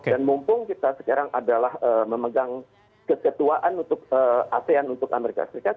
dan mumpung kita sekarang adalah memegang ketuaan untuk asean untuk amerika serikat